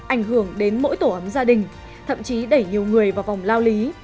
ảnh hưởng đến mỗi tổ ấm gia đình thậm chí đẩy nhiều người vào vòng lao lý